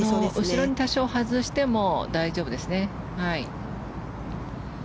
後ろに多少外しても大丈夫ですね。